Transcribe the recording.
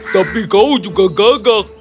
tapi kau juga gagak